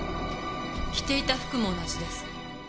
着ていた服も同じです。